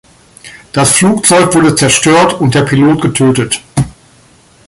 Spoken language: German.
Das Flugzeug wurde zerstört und der Pilot getötet.